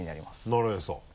なるへそ。